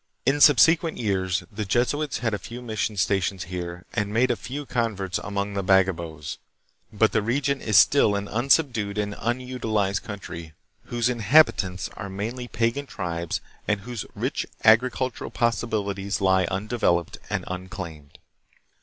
In subsequent years the Jesuits had a few mission stations here and made a few converts among the Bago bos; but the region is still an unsubdued and unutilized country, whose inhabitants are mainly pagan tribes, and whose rich agricultural possibilities lie undeveloped and unclaimed.